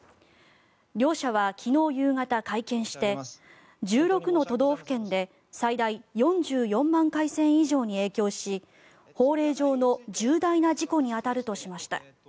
両社は昨日夕方、会見して１６の都道府県で最大４４万回線以上に影響し法令上の重大な事故に当たるとしました。